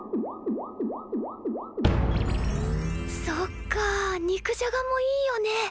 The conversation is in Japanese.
そっか肉じゃがもいいよね。